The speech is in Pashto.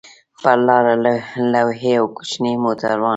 پر لاره لوی او کوچني موټران.